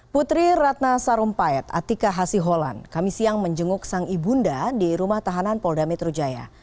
putri ratna sarumpayat atika hasiholan kami siang menjenguk sang ibunda di rumah tahanan polda metro jaya